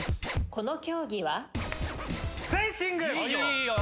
この競技は？